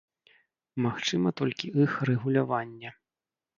Магчыма толькі іх рэгуляванне.